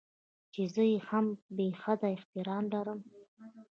چې زه يې هم بې حده احترام لرم.